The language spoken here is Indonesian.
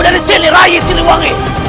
dari sini rai siliwari